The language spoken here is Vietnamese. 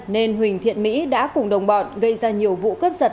nên huỳnh thiện mỹ đã cùng đồng bọn gây ra nhiều vụ cướp giật